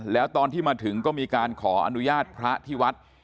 แล้วตอนที่มาถึงก็มีการขออนุญาตพระที่วัด